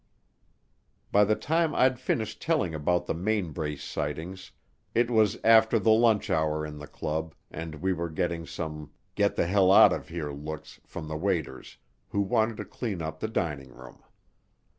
By the time I'd finished telling about the Mainbrace Sightings, it was after the lunch hour in the club and we were getting some get the hell out of here looks from the waiters, who wanted to clean up the dining room.